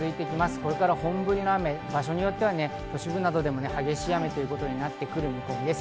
これから本降りの雨、場所によっては都心部でも激しい雨となってくる見込みです。